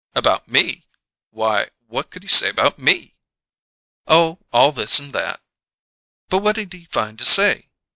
"About me! Why, what could he say about me?" "Oh, all this and that." "But what did he find to say?"